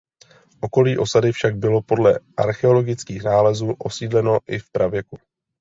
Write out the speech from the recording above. Okolí osady však bylo podle archeologických nálezů osídleno i v pravěku.